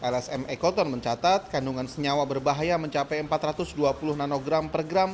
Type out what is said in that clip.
lsm ekoton mencatat kandungan senyawa berbahaya mencapai empat ratus dua puluh nanogram per gram